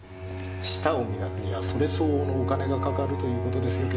舌を磨くにはそれ相応のお金がかかるという事ですよ。